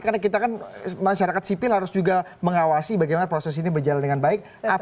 karena kita kan masyarakat sipil harus juga mengawasi bagaimana proses ini berjalan dengan baik